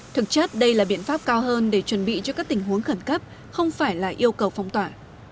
thực chất đây là biện pháp cao hơn để chuẩn bị cho các tình huống khẩn cấp không phải là yêu cầu phong tỏa